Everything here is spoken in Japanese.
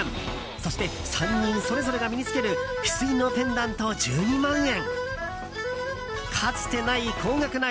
そして３人それぞれが身に着けるヒスイのペンダント、１２万円。